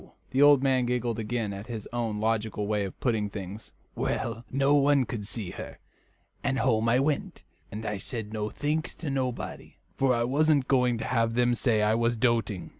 The old man giggled again at his own logical way of putting things. "Well, no more could I see her; and home I went, and I said nothink to nobody, for I wasn't going to have them say I was doting."